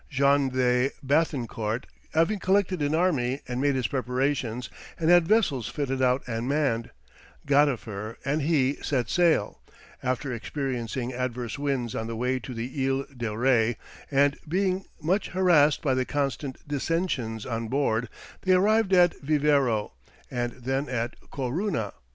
Jean de Béthencourt having collected an army and made his preparations, and had vessels fitted out and manned, Gadifer and he set sail; after experiencing adverse winds on the way to the Ile de Ré, and being much harassed by the constant dissensions on board, they arrived at Vivero, and then at Corunna.